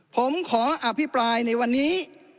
ผมขออภิปรายในวันนี้